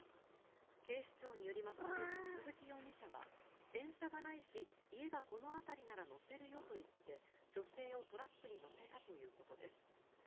警視庁によりますと鈴木容疑者は電車がないし、家がこの辺りなら乗せるよと言って女性をトラックに乗せたということです。